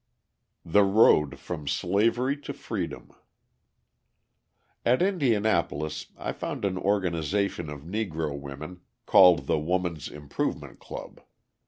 The Road from Slavery to Freedom At Indianapolis I found an organisation of Negro women, called the Woman's Improvement Club.